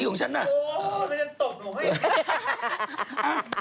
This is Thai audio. โอ้โฮแล้วฉันตกหนูให้